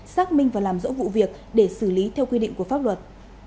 xác minh và làm rõ vụ việc để xử lý theo quy định của pháp luật